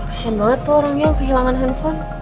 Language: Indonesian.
kasian banget tuh orangnya kehilangan handphone